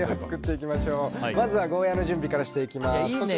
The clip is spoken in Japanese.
まずはゴーヤーの準備からしていきます。